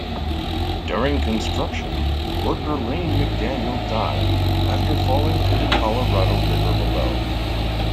During construction, worker Lane McDaniel died after falling to the Colorado River below.